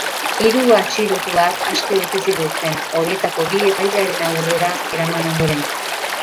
Hiru atxilotuak aske utzi zituzten, horietako bi epailearen aurrera eraman ondoren.